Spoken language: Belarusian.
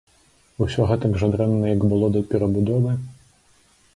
Усё гэтак жа дрэнна, як было да перабудовы?